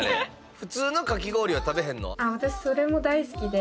普通のかき氷は食べへんの？